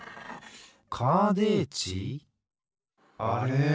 あれ？